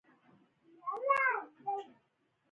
زه د یوټیوب چینل جوړوم.